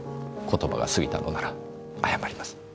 言葉が過ぎたのなら謝ります。